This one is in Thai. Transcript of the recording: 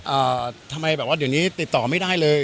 อ่าทำไมแบบว่าเดี๋ยวนี้ติดต่อไม่ได้เลย